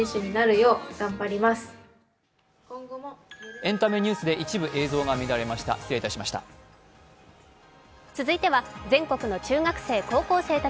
エンタメニュースで一部映像が乱れました。